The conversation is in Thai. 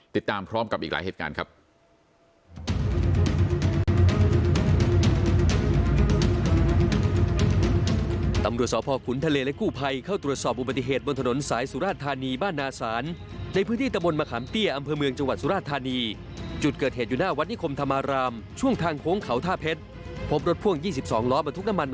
ติดตามพร้อมกับอีกหลายเหตุการณ์ครับ